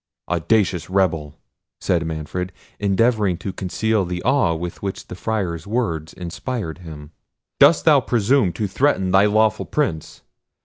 "Audacious rebel!" said Manfred, endeavouring to conceal the awe with which the Friar's words inspired him. "Dost thou presume to threaten thy lawful Prince?"